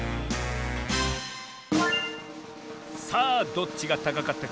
さあどっちがたかかったかみてみるぞ。